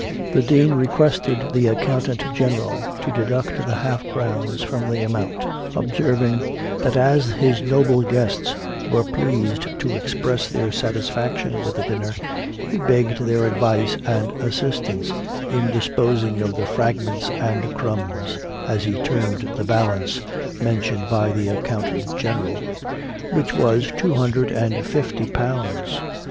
The Dean requested the accountant general to deduct the half crowns from the amount, observing, "that as his noble guests were pleased to express their satisfaction with the dinner, he begged their advice and assistance in disposing of the fragments and crumbs," as he termed the balance mentioned by the accountant general which was two hundred and fifty pounds.